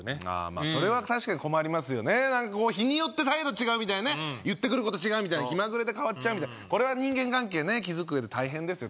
あそれは確かに困りますよねなんか日によって態度違うみたいなね言ってくること違うみたいな気まぐれで変わっちゃうみたいなこれは人間関係ね築くうえで大変ですよ